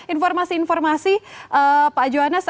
informasi informasi pak johannes